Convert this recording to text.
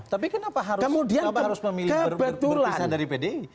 tapi kenapa harus memilih berpisah dari pdi